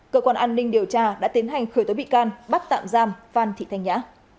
cơ quan an ninh điều tra đã tiến hành khởi tố bị can bắt tạm giam phan thị thanh nhã